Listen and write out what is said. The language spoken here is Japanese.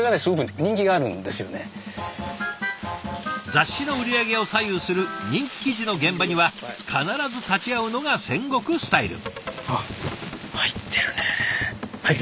雑誌の売り上げを左右する人気記事の現場には必ず立ち会うのが仙石スタイル。